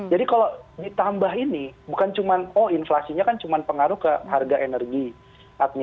jadi kalau ditambah ini bukan cuma oh inflasinya kan cuma pengaruh ke harga energi